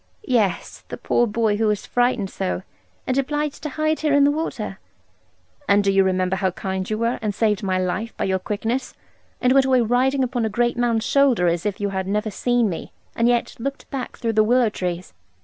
'Yes, the poor boy who was frightened so, and obliged to hide here in the water.' 'And do you remember how kind you were, and saved my life by your quickness, and went away riding upon a great man's shoulder, as if you had never seen me, and yet looked back through the willow trees?'